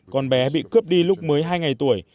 con bé bị cướp đi lúc mới hai ngày tuổi